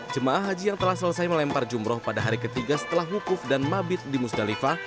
jemaah haji yang telah selesai melempar jumroh pada hari ketiga setelah wukuf dan mabit di musdalifah